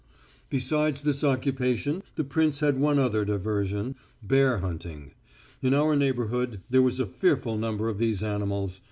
Besides this occupation the prince had one other diversion bear hunting. In our neighbourhood there were a fearful number of these animals.